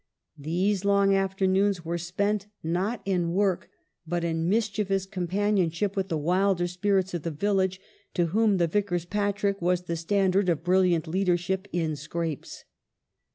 These long afternoons were spent, not in work, but in mischievous companionship with the wilder spirits of the village, to whom " t' Vicar's Patrick" was the standard of brilliant leadership in scrapes.